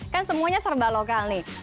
kan semuanya serba lokal nih